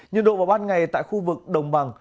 nhiệt độ vào ban ngày tại khu vực đồng bằng